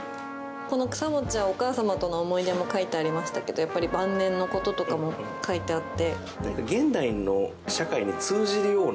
この草餅はお母様との思い出も書いてありましたけどやっぱり晩年のこととかも書いてあって。